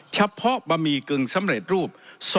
เฉพาะบะหมี่กึ่งสำเร็จรูป